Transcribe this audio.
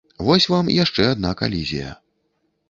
Вось вам яшчэ адна калізія.